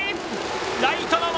ライトの前。